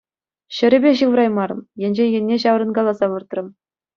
Ҫӗрӗпе ҫывӑраймарӑм, енчен енне ҫаврӑнкаласа выртрӑм.